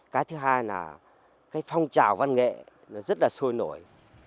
cái thứ hai là cái phong trào văn nghệ rất là sôi nổi